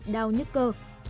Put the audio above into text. đau nhức cơ